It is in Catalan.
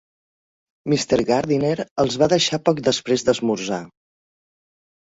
Mr. Gardiner els va deixar poc després d'esmorzar.